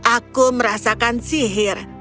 aku merasakan sihir